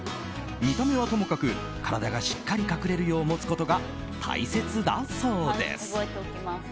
見た目はともかく、体がしっかり隠れるよう持つことが大切だそうです。